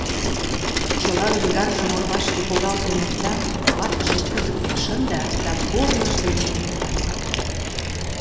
Чыла ӱзгаржым орвашке погалтен опта, ватыжым кӱзыктен шында да корныж дене кая.